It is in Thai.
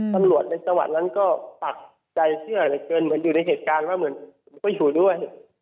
ตำรวจในจังหวัดนั้นก็ปักใจเชื่อเหลือเกินเหมือนอยู่ในเหตุการณ์ว่าเหมือนผมก็อยู่ด้วย